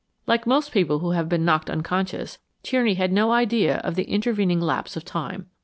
Like most people who have been knocked unconscious, Tierney had no idea of the intervening lapse of time.